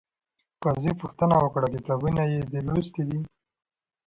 قاضي پوښتنه وکړه، کتابونه یې دې لوستي؟